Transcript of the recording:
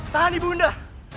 tahan ibu unda